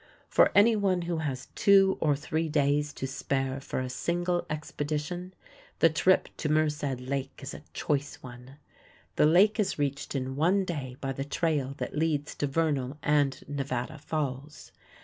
For anyone who has two or three days to spare for a single expedition, the trip to Merced Lake is a choice one. The lake is reached in one day by the trail that leads to Vernal and Nevada Falls.